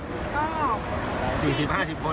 ก็สี่สิบห้าสิบคน